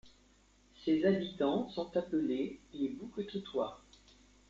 Ses habitants sont appelés les Bouquetotois.